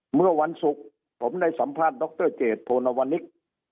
เมื่อวันศุกร์ผมได้สัมภาษณ์ดรเจตโพนวนิก